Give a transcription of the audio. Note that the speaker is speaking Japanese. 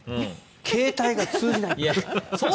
携帯が通じない。